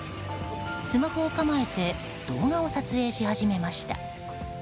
スマホを構えて動画を撮影し始めました。